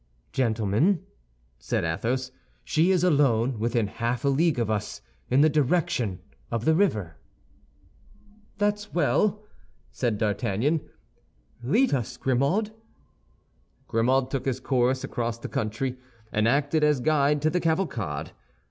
"Gentlemen," said Athos, "she is alone within half a league of us, in the direction of the river." "That's well," said D'Artagnan. "Lead us, Grimaud." Grimaud took his course across the country, and acted as guide to the cavalcade.